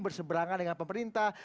berseberangan dengan pemerintah